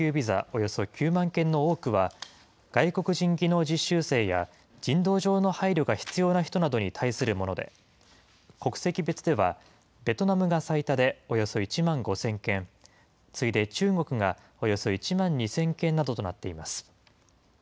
およそ９万件の多くは、外国人技能実習生や、人道上の配慮が必要な人などに対するもので、国籍別では、ベトナムが最多でおよそ１万５０００件、次いで中国がおよそ１万２０００件などとなっています。